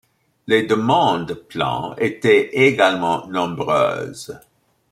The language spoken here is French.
Les demandes de plants étaient également nombreuses.